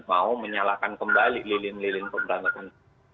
mau menyalakan kembali lilin lilin pemberantasan